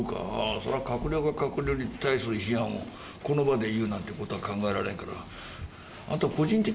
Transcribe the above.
それは閣僚が、閣僚に対する批判をこの場で言うなんてことは考えられんから。